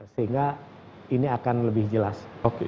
sehingga ini akan lebih jelas